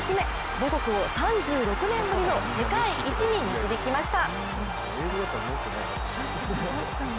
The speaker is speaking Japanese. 母国を３６年ぶりの世界一に導きました。